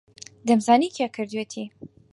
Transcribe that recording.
دەمزانی کێ کردوویەتی.